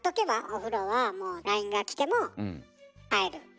お風呂はもうＬＩＮＥが来ても入る。